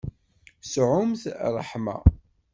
Sɛumt ṛṛeḥma.